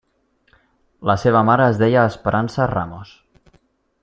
La seva mare es deia Esperança Ramos.